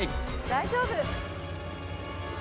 大丈夫。